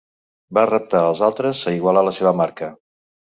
Va reptar els altres a igualar la seva marca.